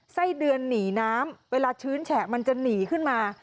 ไส้เดือนหนีน้ำเวลาชื้นแฉะมันจะหนีขึ้นมา